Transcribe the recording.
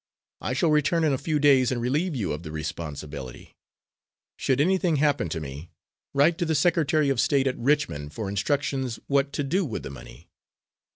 I shall return in a few days, and relieve you of the responsibility. Should anything happen to me, write to the Secretary of State at Richmond for instructions what to do with the money.